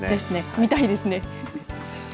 見たいですね。